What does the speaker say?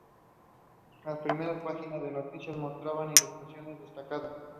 Las primeras páginas de noticias mostraban ilustraciones destacadas.